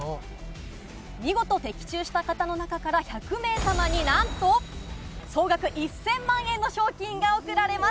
見事的中した方の中から１００名様になんと総額１０００万円の賞金が贈られます。